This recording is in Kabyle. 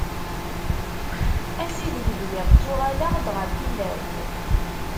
Ass i deg bdiɣ ttuɣaleɣ-d ɣer tilawt.